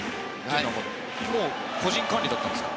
個人管理だったんですか？